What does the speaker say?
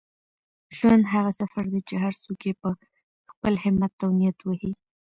ژوند هغه سفر دی چي هر څوک یې په خپل همت او نیت وهي.